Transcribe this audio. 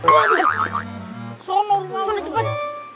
ke sana cepet